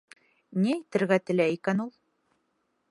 Ни әйтергә теләй икән ул?